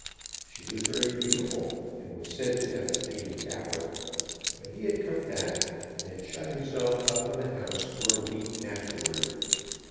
She was very beautiful, and was said to have a fitting dower, but he had come back, and had shut himself up in the house for a week afterward.